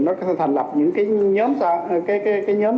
nó thành lập những nhóm